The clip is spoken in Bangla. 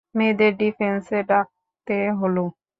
মেয়েদের ডিফেন্সে ডাকতে হলো?